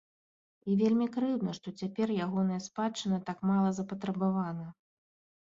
І вельмі крыўдна, што цяпер ягоная спадчына так мала запатрабавана.